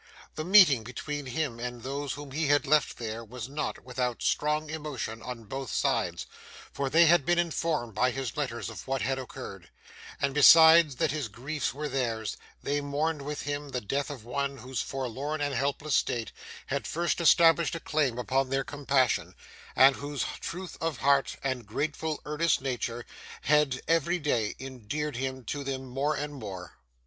The meeting between him and those whom he had left there was not without strong emotion on both sides; for they had been informed by his letters of what had occurred: and, besides that his griefs were theirs, they mourned with him the death of one whose forlorn and helpless state had first established a claim upon their compassion, and whose truth of heart and grateful earnest nature had, every day, endeared him to them more and more.